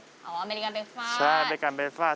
อ๋อเป็นการเบสฟาสใช่เป็นการเบสฟาส